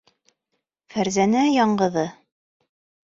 Фәрзәнә яңғыҙы.